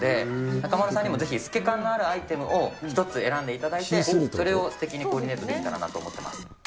中丸さんにもぜひ透け感のあるアイテムを１つ選んでいただいて、それをすてきにコーディネートできたらなと思っています。